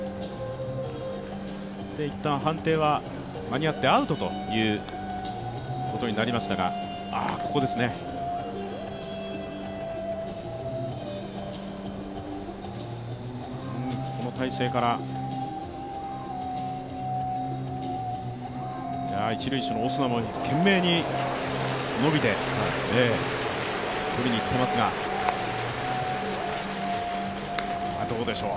一旦、判定は間に合ってアウトということになりましたがここですね、この体勢から一塁手のオスナも懸命に伸びて取りに行っていますが、どうでしょう。